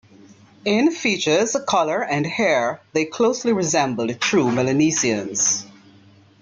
In features, colour and hair they closely resembled true Melanesians.